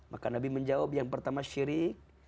maka nabi menjawab yang pertama syirik